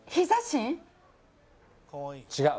違う。